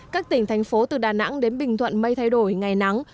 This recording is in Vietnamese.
các tỉnh thành phố từ đà nẵng đến bình thuận mây thay đổi ngày nắng